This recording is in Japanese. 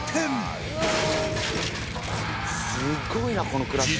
すごいなこのクラッシュ。